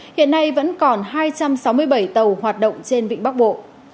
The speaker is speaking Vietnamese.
hiện nay vẫn còn hai trăm sáu mươi bảy tàu hoạt động trên vịnh bắc bộ